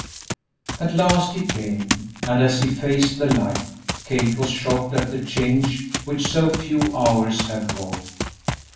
At last he came, and, as he faced the light, Kate was shocked at the change which so few hours had wrought.